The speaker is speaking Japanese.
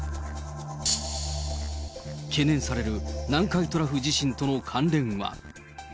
懸念される南海トラフ地震との関連は。